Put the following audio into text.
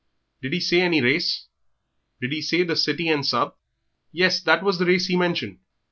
"Did he say any race? Did he say the City and Sub.?" "Yes, that was the race he mentioned."